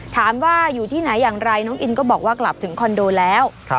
ถามว่าอยู่ที่ไหนอย่างไรน้องอินก็บอกว่ากลับถึงคอนโดแล้ว